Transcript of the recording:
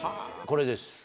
これです。